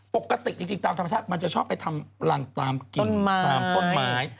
ปกติจริงตามธรรมชาติมันจะชอบไปทำรังตามกิ่งตามต้นไม้